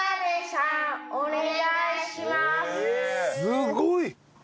すごい！